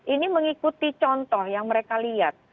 ini mengikuti contoh yang mereka lihat